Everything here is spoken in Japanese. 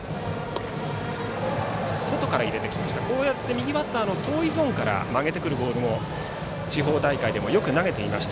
右バッターの遠いゾーンから曲げてくるボールも地方大会でもよく投げていました